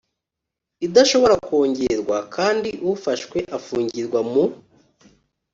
idashobora kongerwa kandi ufashwe afungirwa mu